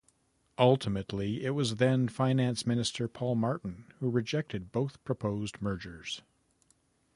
Ultimately, it was then Finance Minister Paul Martin who rejected both proposed mergers.